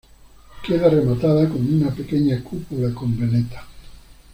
Queda rematada con una pequeña cúpula con veleta.